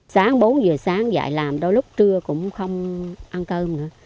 sáng bốn giờ sáng vậy làm đôi lúc trưa cũng không ăn cơm nữa